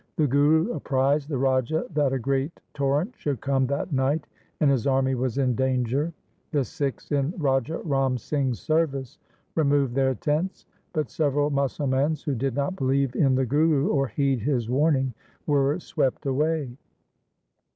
The Guru apprised the Raja that a great torrent should come that night and his army was in danger. The Sikhs in Raja Ram Singh's service removed their tents, but several Musalmans who did not believe in the Guru or heed his warning, were swept away.